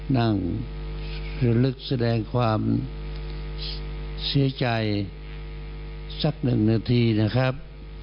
นั่งระลึกแสดงความเสียใจสักหนึ่งนาทีนะครับ